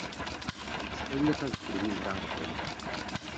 Stejně tak s druhým hráčem.